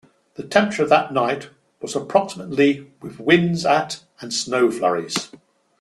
The temperature that night was approximately with winds at and snow flurries.